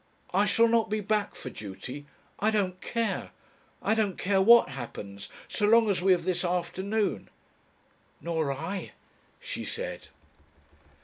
I shall not be back for duty. I don't care. I don't care what happens so long as we have this afternoon." "Nor I," she said.